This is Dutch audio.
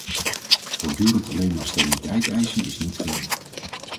Voortdurend alleen maar stabiliteit eisen is niet genoeg.